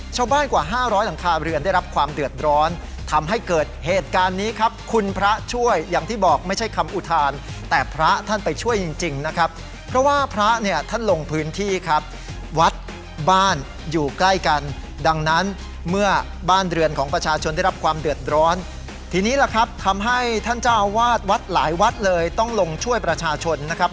กว่าห้าร้อยหลังคาเรือนได้รับความเดือดร้อนทำให้เกิดเหตุการณ์นี้ครับคุณพระช่วยอย่างที่บอกไม่ใช่คำอุทานแต่พระท่านไปช่วยจริงจริงนะครับเพราะว่าพระเนี่ยท่านลงพื้นที่ครับวัดบ้านอยู่ใกล้กันดังนั้นเมื่อบ้านเรือนของประชาชนได้รับความเดือดร้อนทีนี้ล่ะครับทำให้ท่านเจ้าวาดวัดหลายวัดเลยต้องลงช่วยประชาชนนะครับ